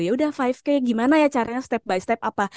ya udah lima k gimana ya caranya step by step apa